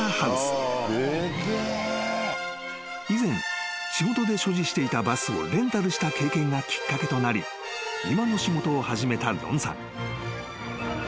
［以前仕事で所持していたバスをレンタルした経験がきっかけとなり今の仕事を始めたロンさん］